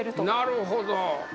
なるほど。